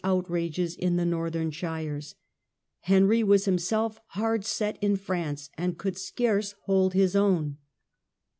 "„ outrages in the northern shires. Henry was King of Scots, himself hardset in France and could scarce ''74 hold his own.